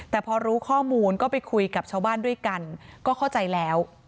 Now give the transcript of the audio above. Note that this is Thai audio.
แต่พอรู้ข้อมูลก็ไปคุยกับชาวบ้านด้วยกันก็เข้าใจแล้ว